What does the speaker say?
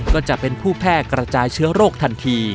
ก็จะเป็นผู้แพร่กระจายเชื้อโรคทันที